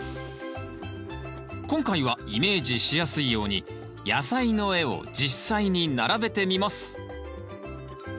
今回はイメージしやすいように野菜の絵を実際に並べてみます